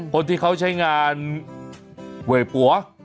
คนที่เขาใช้งานเวยปัว